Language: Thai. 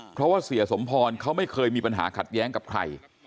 เพราะว่าเสียสมพรเขาไม่เคยมีปัญหาขัดแย้งกับใคร